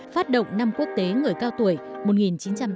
phát động năm quốc tế người cao tuổi một nghìn chín trăm tám mươi